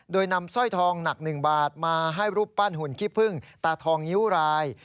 โดยนำสร้อยทองหนัก๑บาทมาให้รูปปั้นหุ่นขี้พึ่งตาทองนิ้วราย